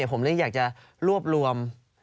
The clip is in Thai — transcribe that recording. ผมเลยอยากจะรวบรวม